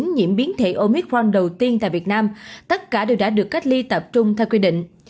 nhiễm biến thể omitron đầu tiên tại việt nam tất cả đều đã được cách ly tập trung theo quy định